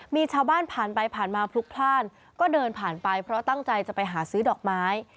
มีชาวบ้านผ่านไปผ่านมาพลุกพลาดก็เดินผ่านไปเพราะตั้งใจจะไปหาซื้อดอกไม้